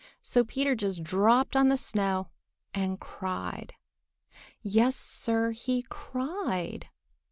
So Peter just dropped on the snow and cried. Yes, Sir, he cried!